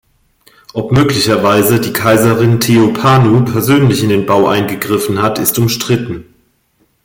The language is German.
Ob möglicherweise die Kaiserin Theophanu persönlich in den Bau eingegriffen hat, ist umstritten.